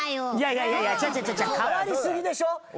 いやいやいや違う違う変わりすぎでしょ！